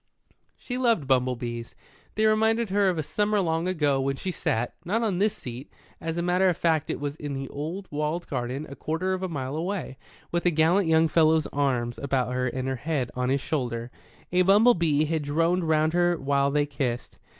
She loved bumble bees. They reminded her of a summer long ago when she sat, not on this seat as a matter of fact it was in the old walled garden a quarter of a mile away with a gallant young fellow's arms about her and her head on his shoulder. A bumble bee had droned round her while they kissed.